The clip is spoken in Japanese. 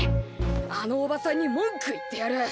あのおばさんに文句言ってやる！